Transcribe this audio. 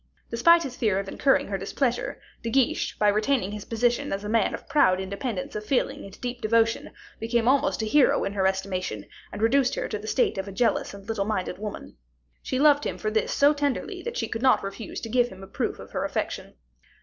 Despite his fear of incurring her displeasure, De Guiche, by retaining his position as a man of proud independence of feeling and deep devotion, became almost a hero in her estimation, and reduced her to the state of a jealous and little minded woman. She loved him for this so tenderly, that she could not refuse to give him a proof of her affection.